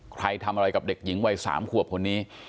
ใครทำอะไรกับเด็กหญิงวัย๓ขวบคนนี้